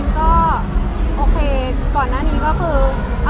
ก็โอเคก่อนหน้านี้ก็คือ